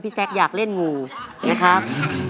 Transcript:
พี่แซ็กอยากเล่นงูนะครับ